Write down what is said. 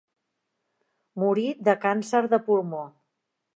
Morí de càncer de pulmó.